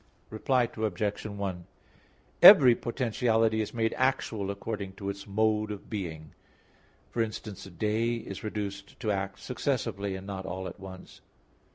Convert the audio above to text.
Reply Obj. 1: Every potentiality is made actual according to its mode of being; for instance, a day is reduced to act successively, and not all at once.